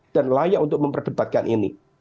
dan layak untuk memperdebatkan ini